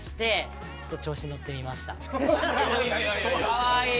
かわいい。